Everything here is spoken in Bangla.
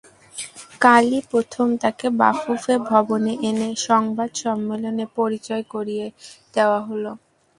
কালই প্রথম তাঁকে বাফুফে ভবনে এনে সংবাদ সম্মেলনে পরিচয় করিয়ে দেওয়া হলো।